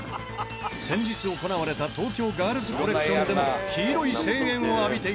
先日行われた東京ガールズコレクションでも黄色い声援を浴びていた長州力が挑戦。